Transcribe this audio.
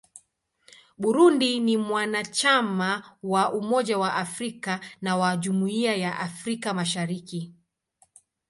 Burundi ni mwanachama wa Umoja wa Afrika na wa Jumuiya ya Afrika Mashariki.